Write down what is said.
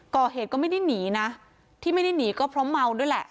ก่อเหตุก็ไม่ได้หนีนะที่ไม่ได้หนีก็เพราะเมาด้วยแหละ